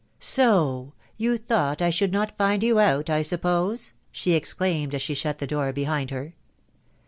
" Soh !.... you thought I should not find you out, I suppose !" she exclaimed, as she shut the door behind her.